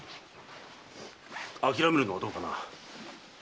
あきらめるのはどうかな？